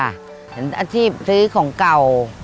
อาชีพซื้อของเก่า